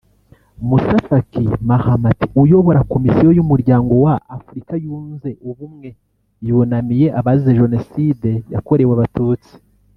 Moussa Faki Mahamat uyobora Komisiyo y’Umuryango wa Afurika yunze Ubumwe yunamiye abazize Jenoside yakorewe abatutsi